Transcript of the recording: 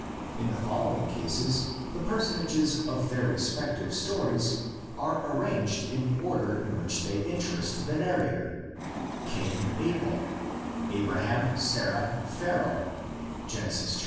In the following cases the personages of their respec tive stories are arranged in the order in which they interest the narrator: Cain, Abel; Abraham, Sarah, Pharaoh (Genesis xii.